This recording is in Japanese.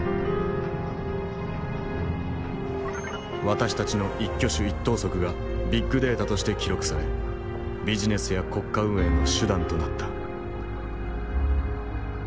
私たちの一挙手一投足がビッグデータとして記録されビジネスや国家運営の手段となった。